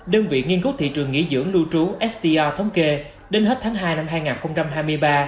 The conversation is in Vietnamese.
đơn vị nghiên cứu thị trường nghỉ dưỡng lưu trú str thống kê đến hết tháng hai năm hai nghìn hai mươi ba